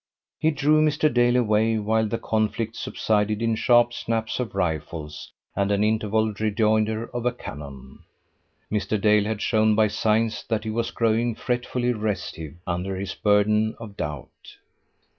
He drew Mr. Dale away while the conflict subsided in sharp snaps of rifles and an interval rejoinder of a cannon. Mr. Dale had shown by signs that he was growing fretfully restive under his burden of doubt.